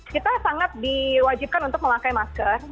kita sangat diwajibkan untuk memakai masker